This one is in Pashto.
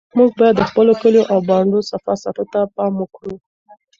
موږ باید د خپلو کلیو او بانډو صفا ساتلو ته پام وکړو.